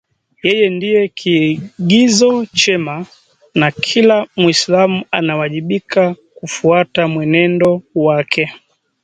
yeye ndiye kiigizo chema na kila Mwislamu anawajibika kufuata mwenendo wake